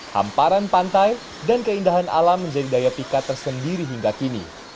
hamparan pantai dan keindahan alam menjadi daya pikat tersendiri hingga kini